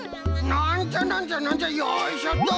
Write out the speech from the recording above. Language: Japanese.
なんじゃなんじゃなんじゃよいしょっと。